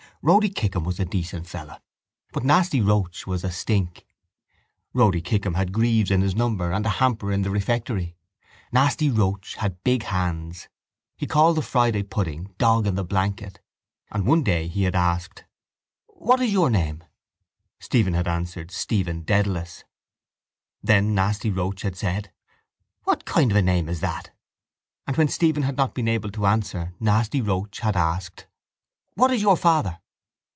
Rody Kickham was a decent fellow but Nasty Roche was a stink. Rody Kickham had greaves in his number and a hamper in the refectory. Nasty Roche had big hands. He called the Friday pudding dog in the blanket. And one day he had asked: —What is your name? Stephen had answered: Stephen Dedalus. Then Nasty Roche had said: —What kind of a name is that? And when Stephen had not been able to answer Nasty Roche had asked: —What is your father?